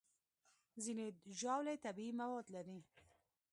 ځینې ژاولې طبیعي مواد لري.